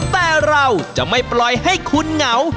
แต่เราจะไม่ปล่อยให้คุณเหงา